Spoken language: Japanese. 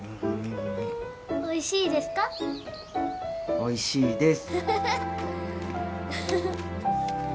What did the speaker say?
おいしいです。